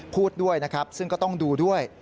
พูดด้วยนะครับซึ่งก็ต้องดูด้วย